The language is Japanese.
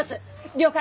了解。